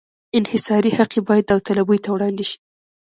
انحصاري حق یې باید داوطلبۍ ته وړاندې شي.